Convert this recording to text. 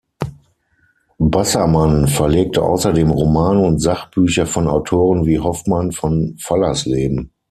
Bassermann verlegte außerdem Romane und Sachbücher von Autoren wie Hoffmann von Fallersleben.